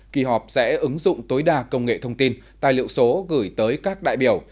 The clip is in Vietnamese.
kỳ họp sẽ ứng dụng tối đa công nghệ thông tin tài liệu số gửi tới các đại biểu